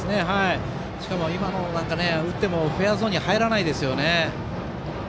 しかも今のは打ってもフェアゾーンには入らないですよね。